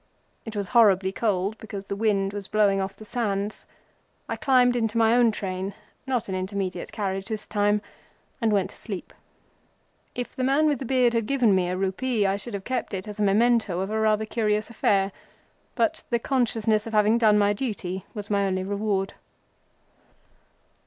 It was horribly cold because the wind was blowing off the sands. I climbed into my own train—not an Intermediate Carriage this time—and went to sleep. If the man with the beard had given me a rupee I should have kept it as a memento of a rather curious affair. But the consciousness of having done my duty was my only reward.